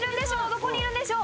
どこにいるんでしょう？